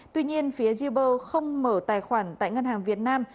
tuy nhiên phía uber không mở tài khoản tại ngân hàng việt nam